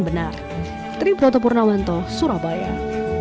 berdagang yang baik dan benar